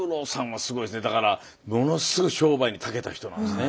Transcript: だからものすごい商売にたけた人なんですね。